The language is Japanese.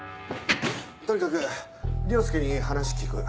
とにかく凌介に話聞く。